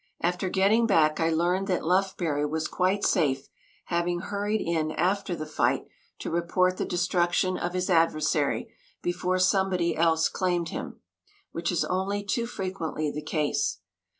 After getting back I learned that Lufbery was quite safe, having hurried in after the fight to report the destruction of his adversary before somebody else claimed him, which is only too frequently the case.